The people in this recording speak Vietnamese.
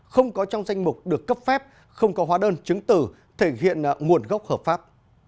không có trong danh mục được cấp phép không có hóa đơn chứng tử thể hiện nguồn gốc hợp pháp